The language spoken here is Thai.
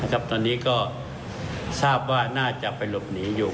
ตอนนี้ก็ทราบว่าน่าจะไปหลบหนีอยู่